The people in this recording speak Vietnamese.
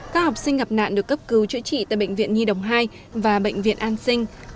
các học sinh gặp nạn được cấp cứu chữa trị tại bệnh viện nhi đồng hai và bệnh viện an sinh